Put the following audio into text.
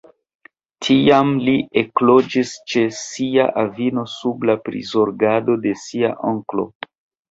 Tiam li ekloĝis ĉe sia avino sub la prizorgado de sia onklo.